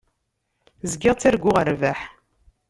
Zgiɣ ttarguɣ rrbeḥ.